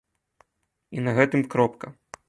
І на гэтым кропка.